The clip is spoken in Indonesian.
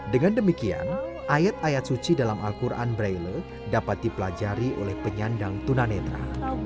dengan demikian ayat ayat suci dalam al quran braille dapat dipelajari oleh penyandang tunanetra